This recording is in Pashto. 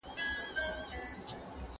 ټولنپوهنه اوس يو منظم علم دی.